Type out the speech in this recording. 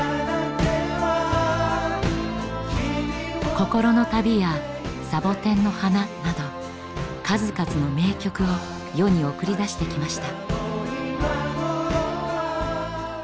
「心の旅」や「サボテンの花」など数々の名曲を世に送り出してきました。